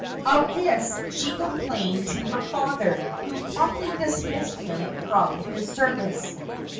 Of this she complained to her father, who promptly dismissed him from his service.